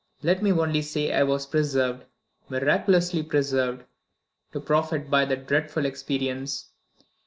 Let me only say I was preserved miraculously preserved to profit by that dreadful experience.